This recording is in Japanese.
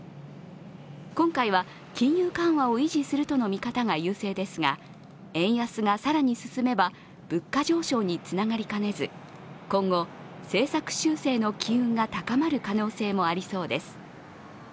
今回は金融緩和を維持するとの見方が優勢ですが円安が更に進めば、物価上昇につながりかねず、今後、政策修正の機運が高まる可能性もありそうです。